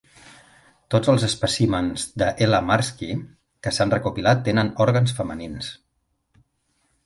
Tots els espècimens de "L. maerski" que s'han recopilat tenen òrgans femenins.